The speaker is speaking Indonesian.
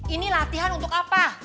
ini latihan untuk apa